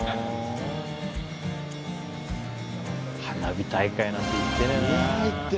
花火大会なんて行ってねえな。